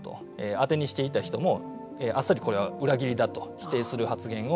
あてにしていた人もあっさりこれは裏切りだと否定する発言を